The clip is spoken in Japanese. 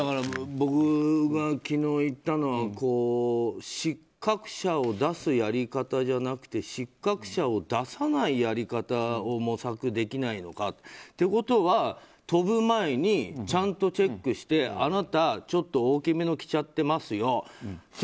僕が昨日言ったのは失格者を出すやり方じゃなくて失格者を出さないやり方を模索できないのか。ということは飛ぶ前にちゃんとチェックしてあなた、ちょっと大きめの着ちゃってますよ。